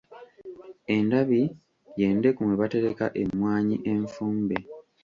Endabi ye ndeku mwe batereka emmwaanyi enfumbe.